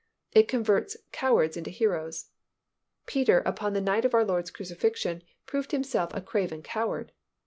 It converts cowards into heroes. Peter upon the night of our Lord's crucifixion proved himself a craven coward.